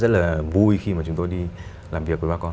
đó là một cái điều mà rất là vui khi mà chúng tôi đi làm việc với bà con